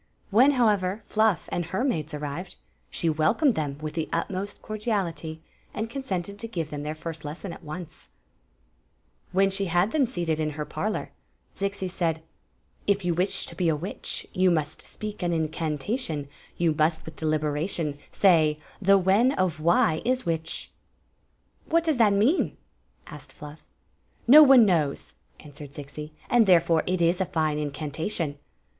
When, however, Fluff and her maids arrived, she welcomed them with the utmost cordiality, and consented to give them their first les son at once. Story of the Magic Cl oak 153 When she had seated them in her parlor, Zixi said : If you wish to be a witch, Yoa must speak an incantation : Yoa must with ddibenition Say: 'The when of why is wfaidi!"* " What does that mean ?" asked Fluff. "No one knows," answered Zixi; "and therefore It IS a fine incantation.